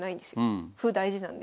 歩大事なんで。